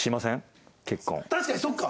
確かにそっか！